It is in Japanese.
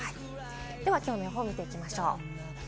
きょうの予報を見ていきましょう。